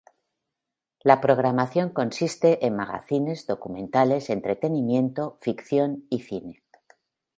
La programación consiste en magacines, documentales, entretenimiento, ficción y cine.